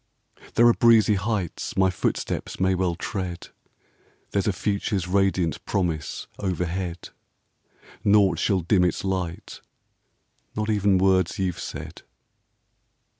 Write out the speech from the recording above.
There are breezy heights my footsteps Well may tread. There 's a future's radiant promise Overhead. Naught shall dim its light, not even Words you 've said.